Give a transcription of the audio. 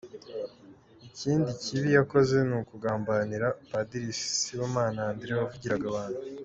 Ikindi kibi yakoze ni ukugambanira Padri Sibomana André wavugiraga abantu.